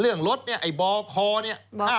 เรื่องลดนี่บค๕๖นี่